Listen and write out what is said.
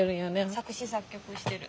作詞作曲してる。